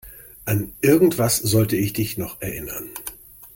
An irgendwas sollte ich dich noch erinnern.